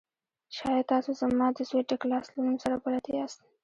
شاید تاسو زما د زوی ډګلاس له نوم سره بلد یاست